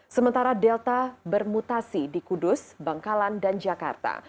sementara delta bermutasi di kudus bangkalan dan jakarta